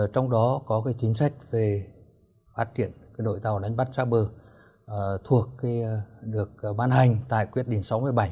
trong đó có chính sách về phát triển đội tàu đánh bắt xa bờ thuộc được ban hành tại quyết định sáu mươi bảy hai nghìn một mươi bốn